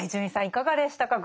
いかがでしたか？